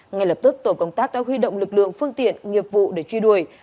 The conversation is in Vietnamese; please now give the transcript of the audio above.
ngay lập tức tổ công tác đã huy động lực lượng phương tiện nghiệp vụ để truy đuổi